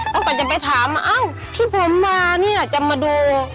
ต้องก็จะไปถามอ้าวที่ผมมานี่จะมาดู